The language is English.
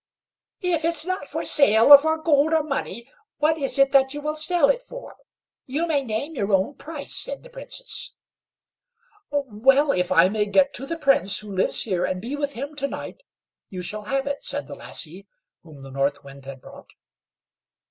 "If it's not for sale for gold or money, what is it that you will sell it for? You may name your own price," said the Princess. "Well! if I may get to the Prince, who lives here, and be with him to night, you shall have it," said the lassie whom the North Wind had brought.